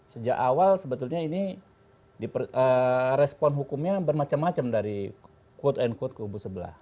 sejak awal sebetulnya ini respon hukumnya bermacam macam dari quote unquote ke kubu sebelah